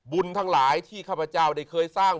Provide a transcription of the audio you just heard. ทั้งหลายที่ข้าพเจ้าได้เคยสร้าง